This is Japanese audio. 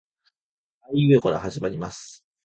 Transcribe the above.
あいうえおから始まります